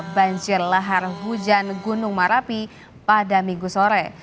banjir lahar hujan gunung merapi pada minggu sore